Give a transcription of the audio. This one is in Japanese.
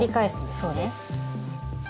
そうです。